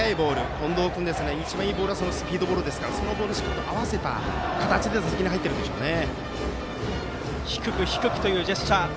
近藤君の一番いいボールはスピードボールですからそれに合わせた形で打席に入っているでしょうね。